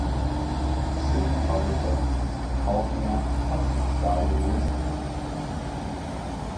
Cinematographer Halyna Hutchins died in the incident.